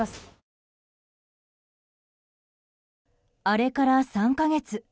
あれから３か月。